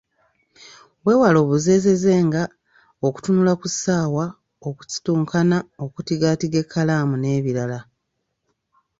Weewale obuzeezeze nga; okutunulatunula ku ssaawa, okusitunkana, okutigaatiga ekkalaamu n'ebirala.